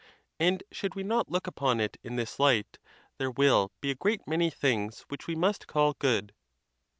And should we not look upon it in this light, there will be a great many things which we must call good.